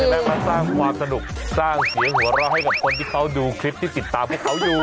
ได้มาสร้างความสนุกสร้างเสียงหัวเราะให้กับคนที่เขาดูคลิปที่ติดตามพวกเขาอยู่